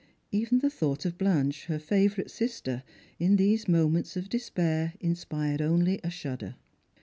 Even the thought of Blanche, her favourite sister, in these moments of despair, inspired only a shudder.